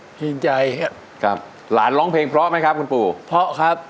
ภูมิใจครับหลานร้องเพลงเพราะไหมครับคุณปู่เพราะครับ